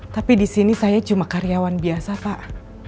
tapi disini saya cuma karyawan biasa pak